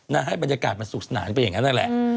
ให้บรรยากาศมันสนุกสนานไปอย่างนั้นนั่นแหละ